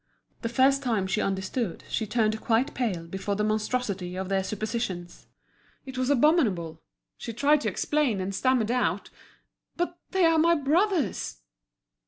The first time she understood she turned quite pale before the monstrosity of their suppositions. It was abominable; she tried to explain, and stammered out: "But they are my brothers!"